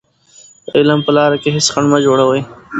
د علم په لاره کې هېڅ خنډ مه جوړوئ.